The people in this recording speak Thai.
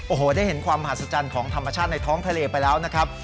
โอ้โหได้เห็นความมหัศจรรย์ของธรรมชาติในท้องทะเลไปแล้วนะครับ